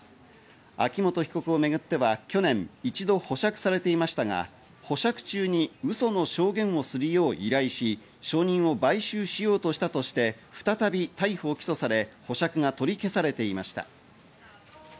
秋元被告をめぐっては去年、一度保釈されていましたが、保釈中に嘘の証言をするよう依頼し、証人を買収しようとしたとして、再び逮捕起訴され、保釈が取り消されていました。